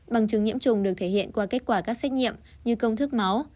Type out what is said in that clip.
bằng chứng nhiễm trùng được thể hiện qua kết quả các xét nghiệm như công thức máu